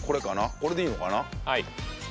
これでいいのかな？